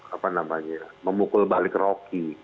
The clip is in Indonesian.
apa namanya memukul balik rocky